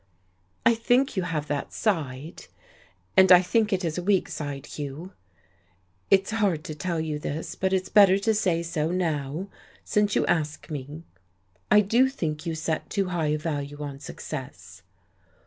"I think you have that side, and I think it a weak side, Hugh. It's hard to tell you this, but it's better to say so now, since you ask me. I do think you set too high a value on success.'